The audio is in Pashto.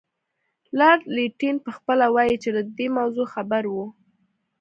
لارډ لیټن پخپله وایي چې له دې موضوع خبر وو.